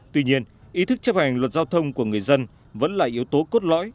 tuy nhiên ý thức chấp hành luật giao thông của người dân vẫn là yếu tố cốt lõi